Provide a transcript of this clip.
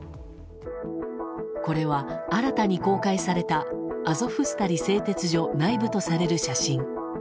これは、新たに公開されたアゾフスタリ製鉄所内部とされる写真。